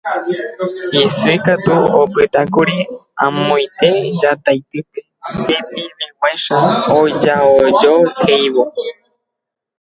Isy katu opytákuri amoite Jataitýpe jepiveguáicha ojaojohéivo